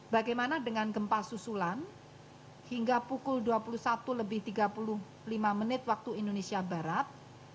bagaimana dengan gempa susulan hingga pukul dua puluh satu lebih tiga puluh lima menit waktu indonesia barat